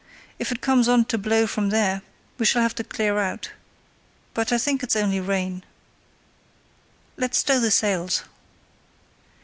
"If it comes on to blow from there we shall have to clear out; but I think it's only rain. Let's stow the sails."